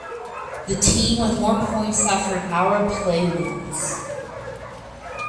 The team with more points after an hour of play wins.